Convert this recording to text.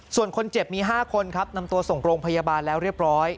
ส่วนคนเจ็บมี๕คนครับนำตัวส่งโรงพยาบาลแล้วเรียบร้อย